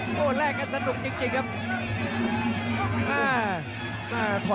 ตัวแรกน่ะสนุกจริงครับ